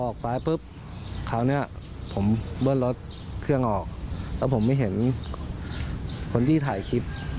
ออกซ้ายปุ๊บคราวนี้ผมเบิ้ลรถเครื่องออกแล้วผมไม่เห็นคนที่ถ่ายคลิป